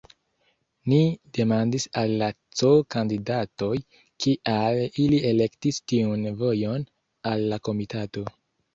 Ni demandis al la C-kandidatoj, kial ili elektis tiun vojon al la komitato.